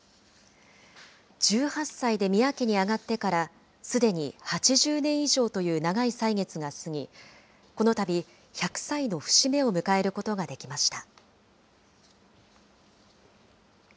１８歳で宮家に上がってからすでに８０年以上という長い歳月が過ぎ、このたび、１００歳の節目を迎えることができました。